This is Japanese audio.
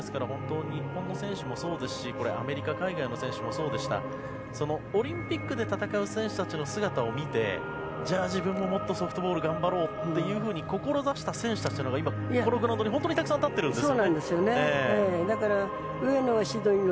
日本の選手もそうですしアメリカ海外の選手もそうでしたがオリンピックで戦う選手たちの姿を見てじゃあ自分ももっとソフトボール頑張ろうと志した選手たちが今、このグラウンドに本当にたくさん立ってるんです。